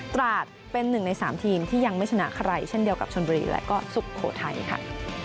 ตราดเป็นหนึ่งในสามทีมที่ยังไม่ชนะใครเช่นเดียวกับชนบุรีและก็สุโขทัยค่ะ